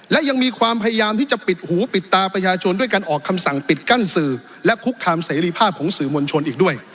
และยังมีความพยายามที่จะปิดหูปิดตาประชาชนด้วยการออกคำสั่งปิดกั้นสื่อและคุกคามเสรีภาพของสื่อมวลชนอีกด้วย